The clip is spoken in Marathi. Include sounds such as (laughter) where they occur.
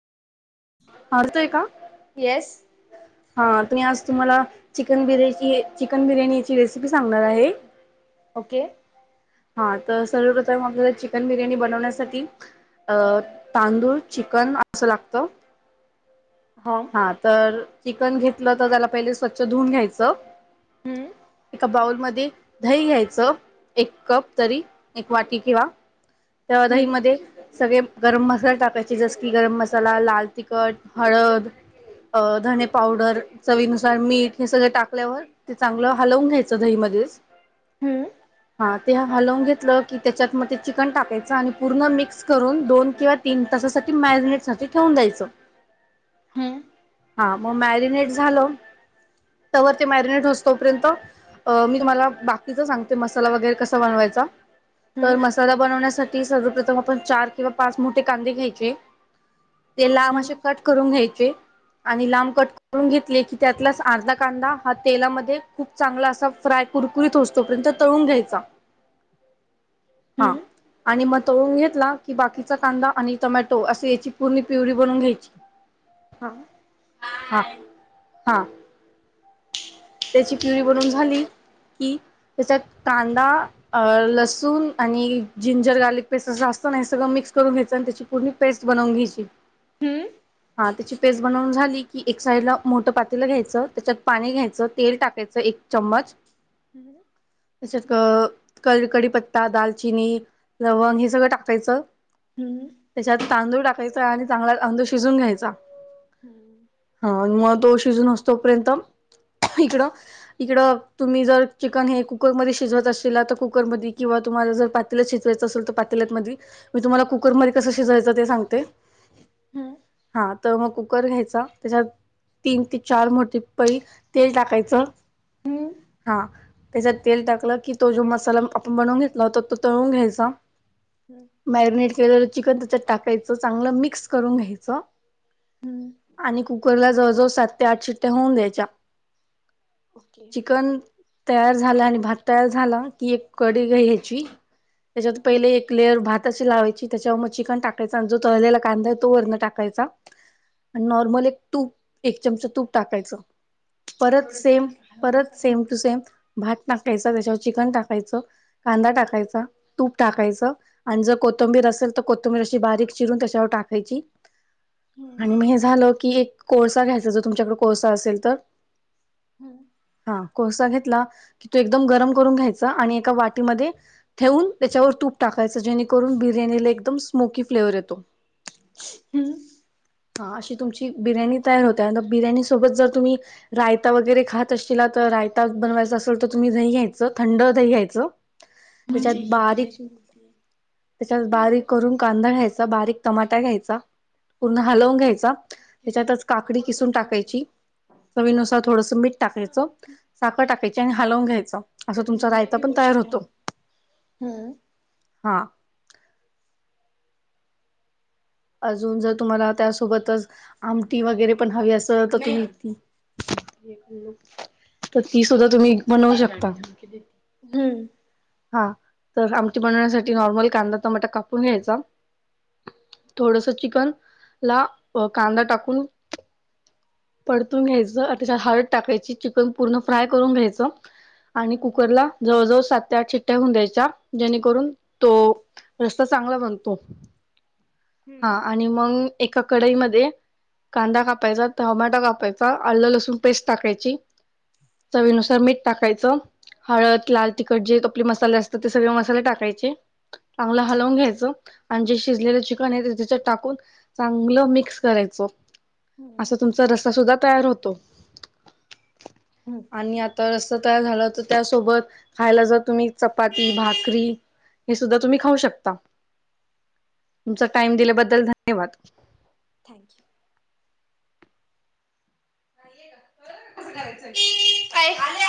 आवडतोय का येस. हा तुम्ही आज तुम्हाला चिकन बिर्याची -चिकन बिर्याणीची रेसिपी सांगणार आहे. ओके. हा तर सर्वप्रथम आपल्याला चिकन बिर्याणी बनवण्यासाठी अ तांदूळ चिकन असं लागतं हो. हा तर चिकन घेतलं तर त्याला पहिले स्वच्छ धुऊून घ्यायचं. हम्म एका बाऊलमध्ये दही घ्यायचं एक कप तरी एक वाटी किंवा त्या दही हम्म मध्ये सगळे गरम मसाले टाकायचे जस की गरम मसाला लाल तिखट हळद अ धणे पावडर चवीनुसार मीठ हे सगळं टाकल्यावर ते चांगलं हलवून घ्यायचं दहीमध्येच हम्म. हा ते हलवून घेतलं की त्याच्यात मग ते चिकन टाकायचं आणि पूर्ण मिक्स करून दोन किंवा तीन तासासाठी मॅरिनेटसाठी ठेवून द्यायचं. हम्म हा मग मॅरिनेट झालं तोवर ते मॅरिनेट होस तोपर्यंत अ मी तुम्हाला बाकीचा सांगते मसाला वगैरे कसा बनवायचा हम्म तर मस तर बनवण्यासाठी सर्वप्रथम आपण चार किंवा पाच मोठे कांदे घ्यायचे तेला म असे कट करून घ्यायचे. आणि लांब कट करून घेतले की त्यातला अर्धा कांदा हा तेलामध्ये खूप चांगला असा फ्राय कुरकुरीत होस तोपर्यंत तळून घ्यायचा हम्म हा. हम्म आणि मग तळून घेतला की बाकीचा कांदा आणि टोमॅटो असे याची पूर्ण प्युरी बनून घ्यायची हा. हा हा. त्याची प्युरी बनवून झाली की त्याच्यात कांदा अ लसूण आणि जिंजर गार्लिक पेस्ट असं असतं ना सगळं मिक्स करून घ्यायचं आणि त्याची पूर्णी पेस्ट बवून घ्यायची. हम्म. हा त्याची पेस्ट बनवून झाली की एक साइडला मोठं पातीला घ्यायचं त्याच्यात पाणी घ्यायचं तेल टाकायचं एक चम्मच हम्म. त्याच्यात क- कळी पत्ता दालचिनी लवंग हे सगळं टाकायचं. हम्म. त्याच्यात तांदूळ टाकायचा आणि चांगला तांदूळ शिजून घ्यायचा. हम्म हा मग तो शिजून होतस तोपर्यंत इकडं इकडं तुम्ही जर चिकन हे कुकरमध्ये शिजवत असेल तर कुकरमध्ये किंवा तुम्हाला जर प शिजवायच असेल तर पातील्यात म मी तुम्हाला कुकर मध्ये कसं शिजवायचं ते सांगते. हा तर मग कुकर घ्यायचा त्याच्यात तीन ते चार मोठी पळी तेल टाकायचं हम्म हम्म हा त्याच्यात तेल टाकलं की तो जो मसाला आपण बनवून घेतला होता तो तळून घ्यायचा हम्म! मॅरिनेट केलेलं चिकन त्याच्यात टाकायचं चांगलं मिक्स करून घ्यायचं हम्म आणि कुकरला जवळजवळ सात ते आठ शिट्टया होऊन द्यायच्या ओके चिकन तयार झाला आणि भात तयार झाला की एक कडी घ्यायची त्याच्यात पहिले हम्म एक लेअर भात अशी लावायची त्याच्यावर मग चिकन टाकायचं आणि जो तळलेला कांदा आहे तो वर्ण टाक घ्यायचा आणि नॉर्मल एक तूप एक चमचा तूप टाकायचं. परत सेम परत सेम टू सेम भात टाकायचं त्याच्यावर चिकन टाकायचं. कांदा टाकायचा तूप टाकायचं आणि जर कोथंबीर असेल तर कोथंबीर अशी बारीक चिरून त्याच्यावर टाकायची हम्म आणि मग हे झालं की एक कोळसा घ्यायच जर तुमच्याकडे कोळसा असेल तर हम्म! हा कोळसा घेतला की तो एकदम गरम करून घ्यायचा आणि एका वाटीमध्ये ठेवून त्याच्यावर तूप टाकायचं जेणेकरून बिर्याणीला एकदम स्मोकी फ्लेवर येतो. हम्म हा अशी तुमची बिर्याणी तयार होते आणि बिर्याणी सोबत जर तुम्ही रायता वगैरे खात असशला तर रायता बनवायचा असेल तर तुम्ही दही घ्यायचं थंड दही घ्यायचं. त्याच्यात म्हणजे ही बारीक तुझ्याशी बोलतीये त्याच्यात बारीक करून कांदा घ्यायचा बारीक टमाटा घ्यायचा पूर्ण हलवून घ्यायचं त्याच्यातच काकडी किसून टाकायची चवीनुसार थोडस मीठ टाकायचं. साखर टाकायची आणि हलवून घ्यायचा असं तुमचा रायता पण तयार होतो. हम्म हा अजून जर तुम्हाला त्यासोबतच आमटी वगैरे पण हवी असं तर त आमटी सुद्धा तुम्ही बनवू शकता. हम्म! हा तर आमची बनवण्यासाठी नॉर्मल कांदा टमाटा कापून घ्यायचा थोडस चिकन ला कांदा टाकून परतून घ्यायचं त्याच्यात हळद टाकायची चिकन पूर्ण फ्राय करून घ्यायचं आणि हम्म कुकर ला जवळजवळ सात त्यात शिट्टया द्यायचा जेणेकरून तो रस्ता चांगला बनतो. हा हम्म आणि मग एका कडाईमध्ये कांदा कापायचा टमाॅटो कापायचा आल्लं लसूण पेस्ट टाकायची! चवीनुसार मीठ टाकायचं हळद लाल तिखट जे आपले मसाले असतात ते सगळे मसाले टाकायचे चांगलं हलवून घ्यायचं आणि जे शिजलेलं चिकन आहे ते तिच टाकून चांगलं मिक्स करायचं हम्म असं तुमचा रस्सा सुद्धा तयार होतो. हम्म आणि आता रस्सा तयार झाला तर त्यासोबत खायला जर तुम्ही चपाती भाकरी हे सुद्धा तुम्ही खाऊ शकता. तुमचा टाइम दिल्याबद्दल धन्यवाद. थँक्यू! (unintelligible)